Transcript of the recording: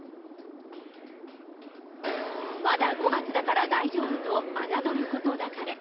まだ５月だから大丈夫と侮ることなかれ。